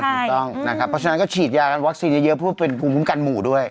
ถูกต้องนะครับเพราะฉะนั้นก็ฉีดยากันวัคซีนเยอะเพื่อเป็นภูมิคุ้มกันหมู่ด้วย